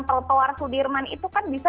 trotoar sudirman itu kan bisa